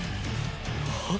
はっ？